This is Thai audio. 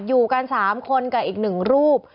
อยู่กันสามคนกับอีกหนึ่งรูป